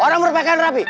orang berpakaian rapi